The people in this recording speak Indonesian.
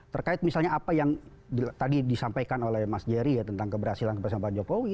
terkait misalnya apa yang tadi disampaikan oleh mas jerry ya tentang keberhasilan kebersamaan jokowi